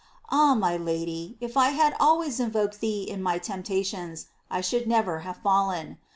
Ah, my Lady, if I had always invoked thee in my temptations, I should never have fallen.